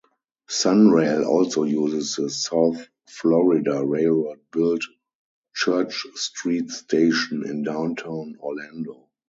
SunRail also uses the South Florida Railroad-built Church Street station in downtown Orlando.